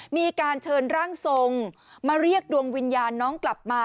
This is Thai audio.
มีการเชิญร่างทรงมาเรียกดวงวิญญาณน้องกลับมา